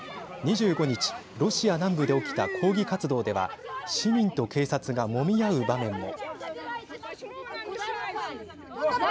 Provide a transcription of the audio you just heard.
２５日、ロシア南部で起きた抗議活動では市民と警察が、もみ合う場面も。